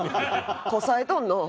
こさえとんのう。